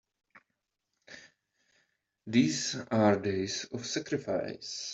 These are days of sacrifice!